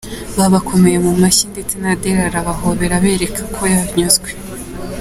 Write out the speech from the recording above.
Babakomeye mu mashyi ndetse na Adele arabahobera abereka ko yanyuzwe.